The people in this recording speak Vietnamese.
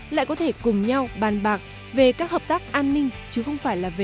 lại có thể cùng nhau bàn bạc về các hợp tác an ninh chứ không phải là về